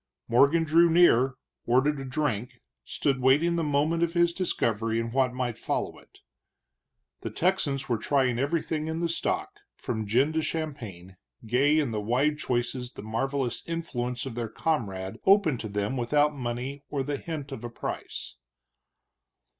Morgan drew near, ordered a drink, stood waiting the moment of his discovery and what might follow it. The Texans were trying everything in the stock, from gin to champagne, gay in the wide choice the marvelous influence of their comrade opened to them without money or the hint of price.